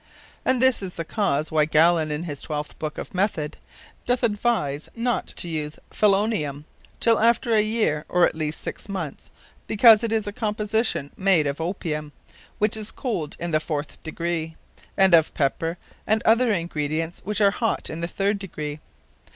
And this is the cause why Gallen in his twelfth Booke of Method, doth advise not to use Philonium, till after a yeare, or, at the least, six moneths; because it is a composition made of Opium (which is cold in the fourth degree) and of Pepper, and other Ingredients, which are hot in the third degree.